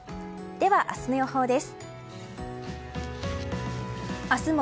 では明日の予報です。